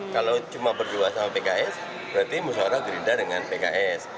kalau cuma berdua sama pks berarti musyawarah gerindra dengan pks